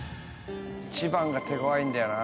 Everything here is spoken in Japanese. １番が手強いんだよな。